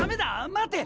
待て！